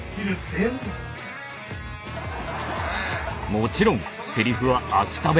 もちろんセリフは秋田弁。